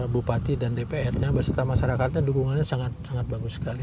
bupati dan dpr nya berserta masyarakatnya dukungannya sangat sangat bagus sekali